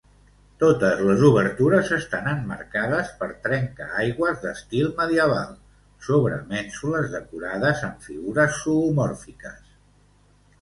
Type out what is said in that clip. Totes les obertures estan emmarcades per trencaaigües d'estil medieval, sobre mènsules decorades amb figures zoomòrfiques.